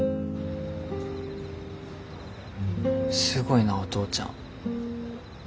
すごいなお父ちゃん。